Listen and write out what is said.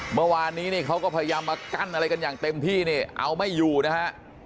เมื่อวานนี้เนี่ยเขาก็พยายามมากั้นอะไรกันอย่างเต็มที่เนี่ยเอาไม่อยู่นะฮะ